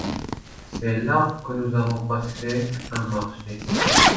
C’est là que nous avons passé un marché.